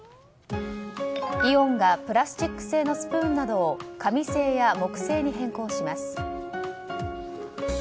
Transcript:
イオンがプラスチック製のスプーンなどを紙製や木製に変更します。